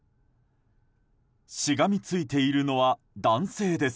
しがみついているのは男性です。